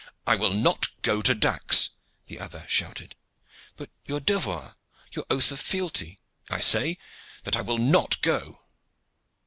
"I will not go to Dax," the other shouted. "But your devoir your oath of fealty?" "I say that I will not go."